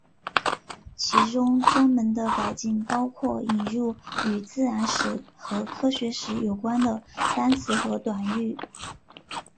其中专门的改进包括引入与自然史和科学有关的单词和短语。